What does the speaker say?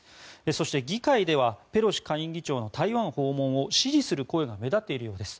そして議会ではペロシ下院議長の台湾訪問を支持する声が目立っているようです。